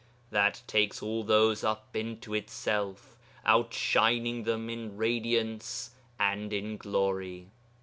That takes all those up into itself, outshining them in radiance and in glory.'